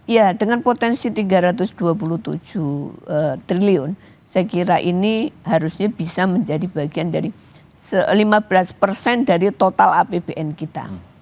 ya dengan potensi tiga ratus dua puluh tujuh triliun saya kira ini harusnya bisa menjadi bagian dari lima belas persen dari total apbn kita